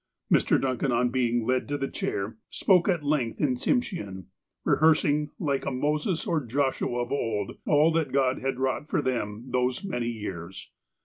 Mr. Duncan, on being led to the chair, spoke at length in Tsimshean, rehearsing, like a Moses or Joshua of old, all that God had wrought for them those many years.